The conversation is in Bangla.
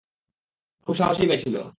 খুব সাহসী মেয়ে ছিল।